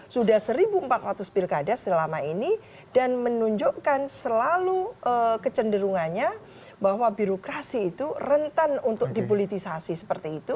sudah seribu empat ratus pilkada selama ini dan menunjukkan selalu kecenderungannya bahwa birokrasi itu rentan untuk dipolitisasi seperti itu